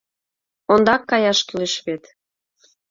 Ондак каяш кӱлеш вет.